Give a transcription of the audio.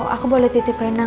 aku boleh titip rena gak